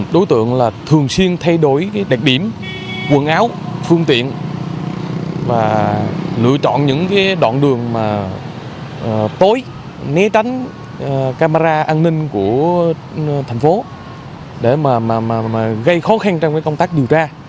đối tượng là thường xuyên thay đổi đặc điểm quần áo phương tiện và lựa chọn những đoạn đường tối né tránh camera an ninh của thành phố để gây khó khăn trong công tác điều tra